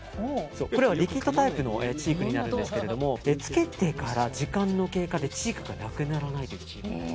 これはリキッドタイプのチークになっていますけどつけてから時間の経過でチークがなくならない。